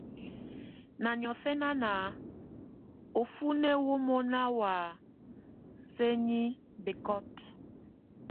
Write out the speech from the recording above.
Na niɔ́fɛnian, ufuné wo mona wa sénibekot.